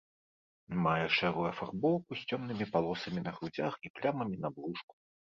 Мае шэрую афарбоўку з цёмнымі палосамі на грудзях і плямамі на брушку.